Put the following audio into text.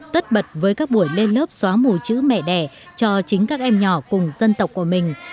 tất bật với các buổi lên lớp xóa mù chữ mẹ đẻ cho chính các em nhỏ cùng dân tộc của mình